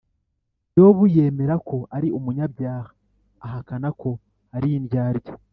yobu yemera ko ari umunyabyaha, ahakana ko ari indyarya